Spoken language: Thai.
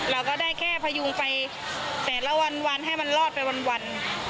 เราก็ได้แค่พยุงไปแต่ละวันให้มันรอดไปวัน